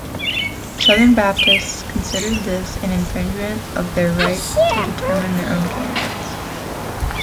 Southern Baptists considered this an infringement of their right to determine their own candidates.